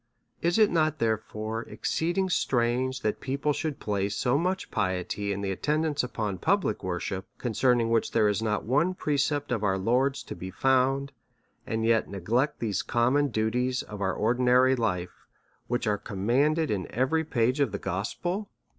Is it not, therefore, exceeding strange that people should place so much piety in the attend ance of public worship, concerning which there is not one precept of our Lord's to be found, and yet neglect these common duties of our ordinary life, which are commanded in every page of the gospel